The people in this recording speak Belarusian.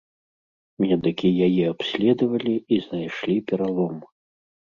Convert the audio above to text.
Медыкі яе абследавалі і знайшлі пералом.